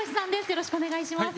よろしくお願いします。